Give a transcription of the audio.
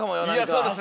そうですね。